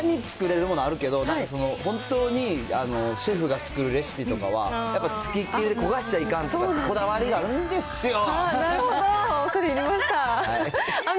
簡単に作れるものあるけど、なんか本当にシェフが作るレシピとかは、やっぱ付きっきりで焦がしちゃいかんとかこだわりがあるんですよ。